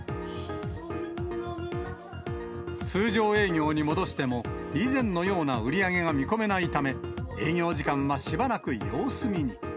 通常営業に戻しても、以前のような売り上げが見込めないため、営業時間はしばらく様子見に。